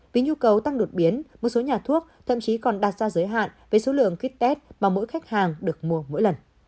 vì nhu cầu tăng đột biến một số nhà thuốc thậm chí còn đặt ra giới hạn về số lượng kit test mà mỗi khách hàng được mua mỗi lần